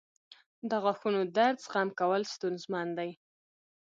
• د غاښونو درد زغم کول ستونزمن دي.